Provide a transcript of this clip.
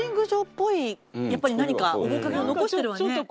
やっぱり何か面影を残してるわね。